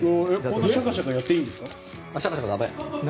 こんなシャカシャカやっていいんですか？